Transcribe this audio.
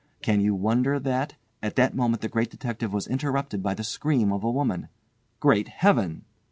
Can you wonder that—" At that moment the Great Detective was interrupted by the scream of a woman. "Great Heaven!"